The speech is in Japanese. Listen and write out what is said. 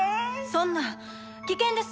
そんな危険です！